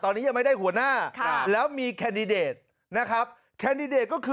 โอ้แฮะหัวหน้าภักษ์อยู่